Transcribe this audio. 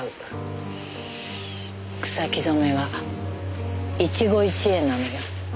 草木染めは一期一会なのよ。